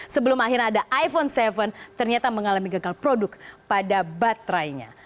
sebelum akhirnya ada iphone tujuh ternyata mengalami gagal produk pada baterainya